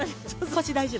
◆腰大丈夫？